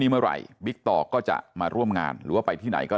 เมื่อไหร่บิ๊กต่อก็จะมาร่วมงานหรือว่าไปที่ไหนก็